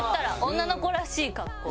女の子らしい格好。